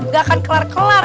gak akan kelar kelar